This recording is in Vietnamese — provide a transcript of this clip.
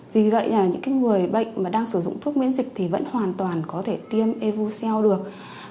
vì vậy những người bệnh đang sử dụng thuốc miễn dịch vẫn hoàn toàn có thể tiêm evercell được